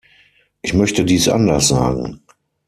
Ich möchte dies anders sagen.